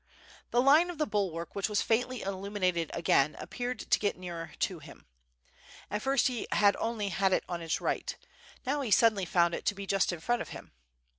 763 The line of the bulwark which was faintly illuminated again appeared to get nearer to him. At first he had only had it on his right, now he suddenly found it just in front of him.